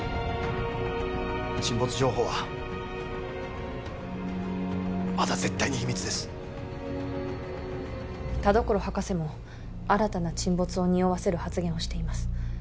沈没情報はまだ絶対に秘密です田所博士も新たな沈没をにおわせる発言をしています